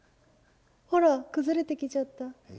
ほら崩れてきちゃった。